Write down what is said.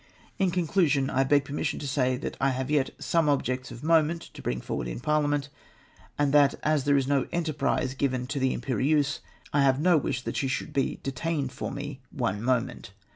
" In conclusion, I beg permission to say that I have yet some objects of moment to bring forward in Parliament, and that as there is no enterprise given to the Imperieuse, I have no wish that she should be detained for me one moment.